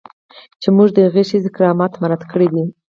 چې موږ د هغې ښځې کرامت مراعات کړی دی.